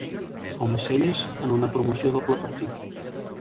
Almacelles en una promoció a doble partit.